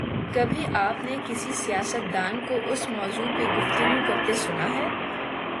کبھی آپ نے کسی سیاستدان کو اس موضوع پہ گفتگو کرتے سنا ہے؟